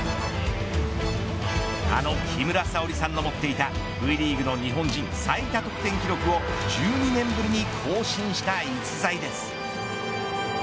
あの木村沙織さんの持っていたＶリーグの日本人最多得点記録を１２年ぶりに更新した逸材です。